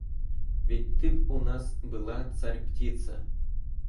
Ведь ты б у нас была царь-птица!